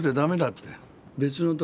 って。